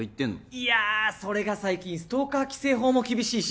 いやそれが最近ストーカー規制法も厳しいし。